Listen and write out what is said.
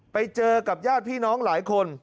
ไปเจอกับญาติพี่น้องหลายคน